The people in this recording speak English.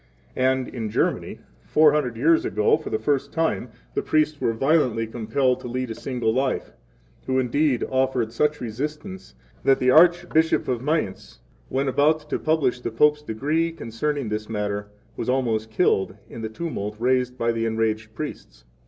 12 And in Germany, four hundred years ago for the first time, the priests were violently compelled to lead a single life, who indeed offered such resistance that the Archbishop of Mayence, when about to publish the Pope's decree concerning this matter, was almost killed in the tumult raised by the enraged priests.